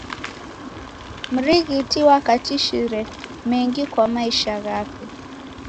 Mrighiti wakatishire mengi kwa maisha ghape.